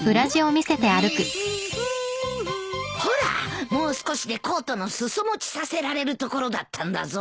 ほらもう少しでコートの裾持ちさせられるところだったんだぞ。